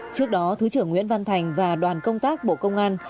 trước đó thứ trưởng nguyễn văn thành và đoàn công tác bộ công an